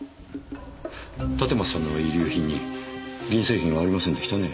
立松さんの遺留品に銀製品はありませんでしたね。